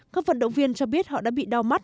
các vận động viên cho biết họ đã bị đau mắt